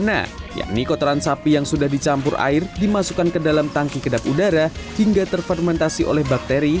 warna yakni kotoran sapi yang sudah dicampur air dimasukkan ke dalam tangki kedap udara hingga terfermentasi oleh bakteri